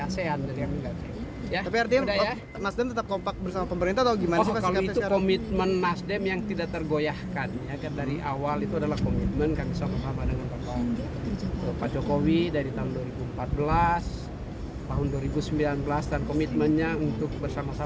soal anggap menganggap itu adalah dinamika